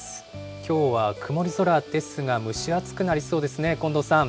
きょうは曇り空ですが、蒸し暑くなりそうですね、近藤さん。